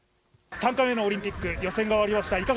３回目のオリンピック、予選が終わりました。